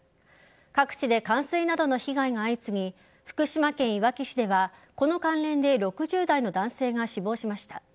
各地で冠水などの被害が相次ぎ福島県いわき市では、この関連で６０代の男性が死亡しました。